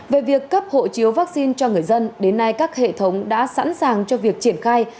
về việc cấp hộ chiếu vaccine cho người dân đến nay các hệ thống đã sẵn sàng cho việc triển khai